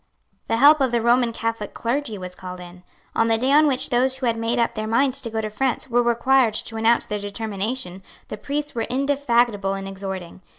The help of the Roman Catholic clergy was called in. On the day on which those who had made up their minds to go to France were required to announce their determination, the priests were indefatigable in exhorting.